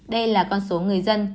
đây là con số người dân